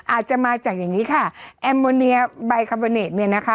อาจจะมาจากแบบแบบแบบแบลขาบนเนตเนี่ยนะคะ